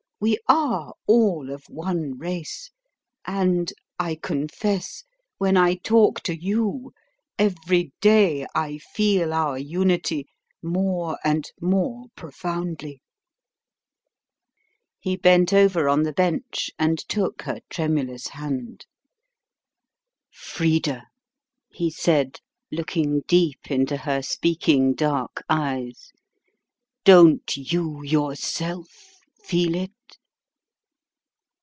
We are all of one race; and I confess, when I talk to you, every day I feel our unity more and more profoundly." He bent over on the bench and took her tremulous hand. "Frida," he said, looking deep into her speaking dark eyes, "don't you yourself feel it?"